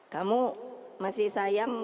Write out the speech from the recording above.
kamu masih sayang